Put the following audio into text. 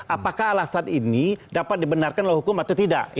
apakah alasan ini dapat dibenarkan oleh hukum atau tidak